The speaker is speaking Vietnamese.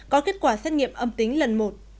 có kết quả xét nghiệm âm tính lần một